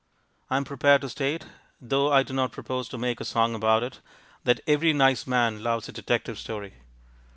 I am prepared to state, though I do not propose to make a song about it, that every nice man loves a detective story.